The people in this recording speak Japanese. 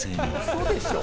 「嘘でしょ？」